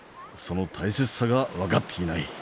その大切さが分かっていない。